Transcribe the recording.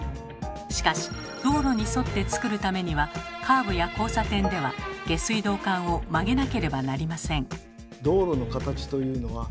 しかし道路に沿ってつくるためにはカーブや交差点では下水道管を曲げなければなりません。